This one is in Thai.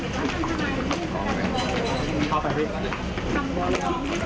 สั่งสำคัญ